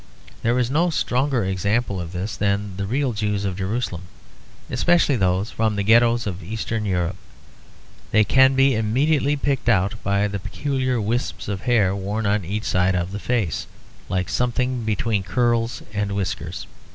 There is no stronger example of this than the real Jews of Jerusalem, especially those from the ghettoes of eastern Europe. They can be immediately picked out by the peculiar wisps of hair worn on each side of the face, like something between curls and whiskers.